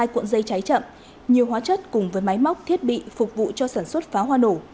hai cuộn dây cháy chậm nhiều hóa chất cùng với máy móc thiết bị phục vụ cho sản xuất pháo hoa nổ